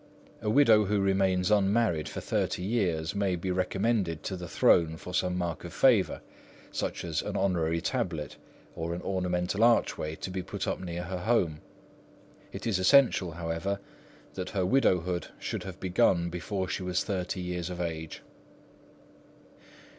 A widow who remains unmarried for thirty years may be recommended to the Throne for some mark of favour, such as an honorary tablet, or an ornamental archway, to be put up near her home. It is essential, however, that her widowhood should have begun before she was thirty years of age.